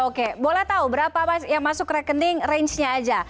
oke boleh tahu berapa yang masuk rekening rangenya aja